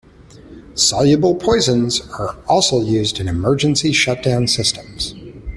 Soluble poisons are also used in emergency shutdown systems.